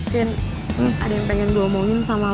fin ada yang pengen gue omongin sama lo